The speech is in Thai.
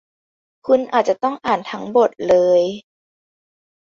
คุณอาจจะต้องอ่านทั้งบทเลย